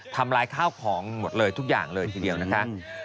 ทำร้ายข้าวของหมดเลยทุกอย่างเลยทีเดียวนะคะ